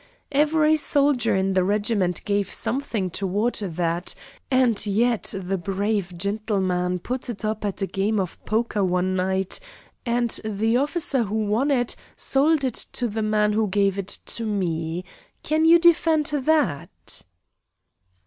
Every soldier in the regiment gave something toward that, and yet the brave gentleman put it up at a game of poker one night, and the officer who won it sold it to the man who gave it to me. Can you defend that?"